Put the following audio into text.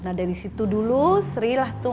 nah dari situ dulu sri lah